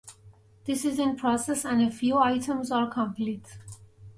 This is in process and a few items are complete.